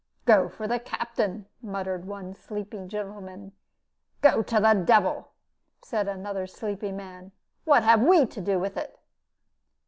"Go to the captain," muttered one sleepy gentleman. "Go to the devil," said another sleepy man: "what have we to do with it?"